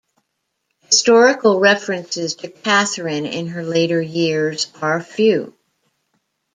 Historical references to Catherine in her later years are few.